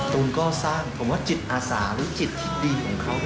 ตูนก็สร้างผมว่าจิตอาสาหรือจิตที่ดีของเขา